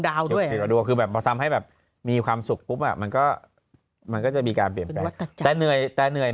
ดาวมีความสุขปุ๊บมันก็มันก็จะมีการเปลี่ยนเนื่อยแต่เนื่อย